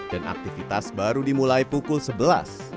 dan aktivitas baru dimulai pukul sebelas